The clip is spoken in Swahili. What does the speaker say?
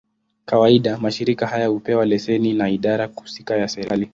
Kawaida, mashirika haya hupewa leseni na idara husika ya serikali.